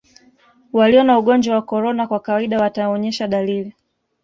walio na ugonjwa wa korona kwa kawaida wataonyesha dalili